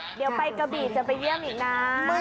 เดี๋ยวไปกระบี่จะไปเยี่ยมอีกนะ